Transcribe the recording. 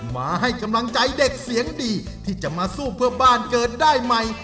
มาให้กำลังใจเด็กเสียงดีที่จะมาสู้เพื่อบ้านเกิดได้ใหม่